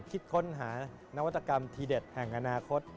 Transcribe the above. คิดค้นหานวัตกรรมทีเด็ดแห่งอนาคต